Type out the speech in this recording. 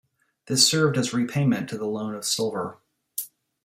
This served as repayment to the loan of silver.